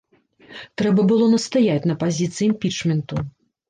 Трэба было настаяць на пазіцыі імпічменту.